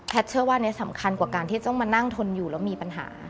เชื่อว่าอันนี้สำคัญกว่าการที่ต้องมานั่งทนอยู่แล้วมีปัญหา